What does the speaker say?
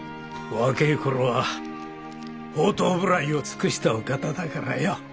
若え頃は放蕩無頼を尽くしたお方だからよ。